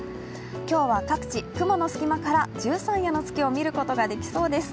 今日は各地、雲の隙間から十三夜の月を見ることができそうです。